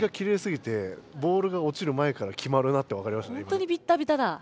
本当にビッタビタだ。